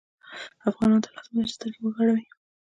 افغانانو ته لازمه ده چې سترګې وغړوي.